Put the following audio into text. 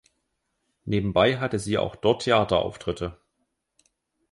Nebenbei hatte sie auch dort Theaterauftritte.